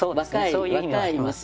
そういう意味もありますね。